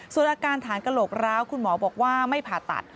ส่วนอาการฐานกระโหลกร้าวคุณหมอบอกว่าไม่ผ่าตัด